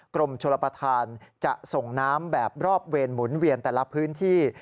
กรมชลประธานจะส่งน้ำแบบรอบเวรหมุนเวียนแต่ละพื้นที่